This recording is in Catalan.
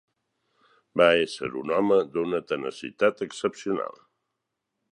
Va ésser un home d'una tenacitat excepcional.